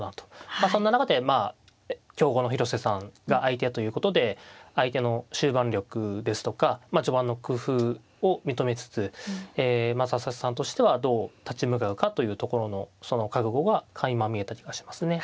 そんな中で強豪の広瀬さんが相手ということで相手の終盤力ですとか序盤の工夫を認めつつ佐々木さんとしてはどう立ち向かうかというところのその覚悟がかいま見えた気がしますね。